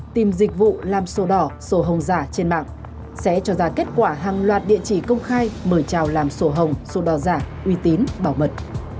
tìm dịch vụ làm sổ đỏ sổ hồng giả trên mạng sẽ cho ra kết quả hàng loạt địa chỉ công khai mời chào làm sổ hồng sổ đỏ giả uy tín bảo mật